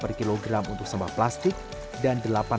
tergantung hujan di bandung